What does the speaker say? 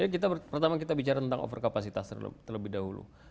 jadi pertama kita bicara tentang overcapacitas terlebih dahulu